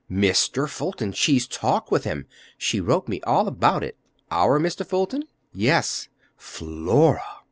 "Mr. Fulton. She's talked with him! She wrote me all about it." "Our Mr. Fulton?" "Yes." "_Flora!